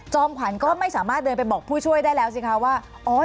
ขวัญก็ไม่สามารถเดินไปบอกผู้ช่วยได้แล้วสิคะว่า